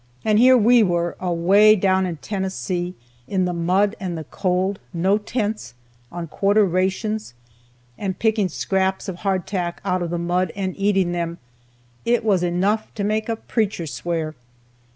And here we were, away down in Tennessee, in the mud and the cold, no tents, on quarter rations, and picking scraps of hardtack out of the mud and eating them it was enough to make a preacher swear.